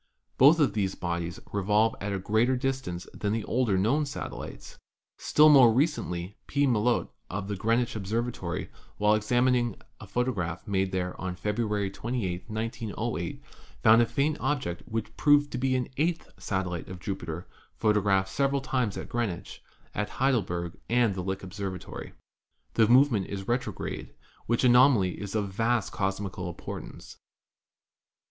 Both of these bodies revolve at a greater distance than the older known satellites. Still more recently P. Melotte of Greenwich Observatory, while examining a photograph made there on February 28, 1908, found a faint object which proved to be an eighth satellite of Jupiter, photographed several times at Greenwich, at Heidelberg and at Lick Observatory. The movement is retrograde, which anomaly is of vast cosmi cal importance.